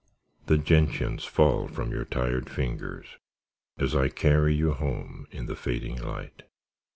The gentians fall from your tired fingers As I carry you home in the fading light.